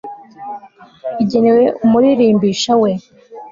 igenewe umuririmbisha we